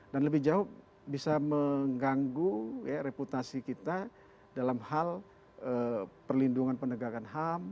dan lebih jauh bisa mengganggu reputasi kita dalam hal perlindungan penegakan ham